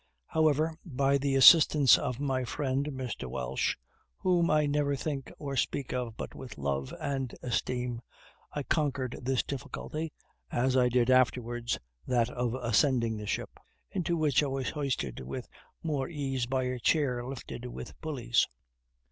However, by the assistance of my friend, Mr. Welch, whom I never think or speak of but with love and esteem, I conquered this difficulty, as I did afterwards that of ascending the ship, into which I was hoisted with more ease by a chair lifted with pulleys.